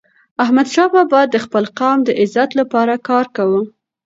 احمدشاه بابا د خپل قوم د عزت لپاره کار کاوه.